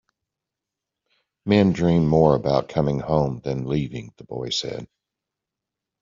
"Men dream more about coming home than about leaving," the boy said.